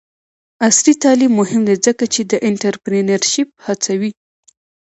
عصري تعلیم مهم دی ځکه چې د انټرپرینرشپ هڅوي.